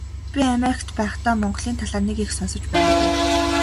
Би Америкт байхдаа Монголын талаар нэг их сонсож байгаагүй.